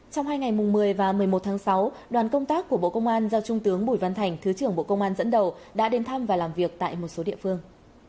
trong hai ngày một mươi và một mươi một tháng sáu đoàn công tác của bộ công an do trung tướng bùi văn thành thứ trưởng bộ công an dẫn đầu đã đến thăm và làm việc tại một số địa phương